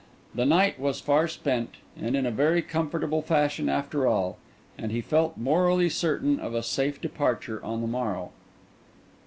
The night was far spent, and in a very comfortable fashion after all; and he felt morally certain of a safe departure on the morrow.